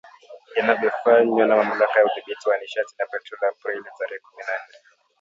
Inayofanywa na Mamlaka ya Udhibiti wa Nishati na Petroli Aprili tarehe kumi na nne.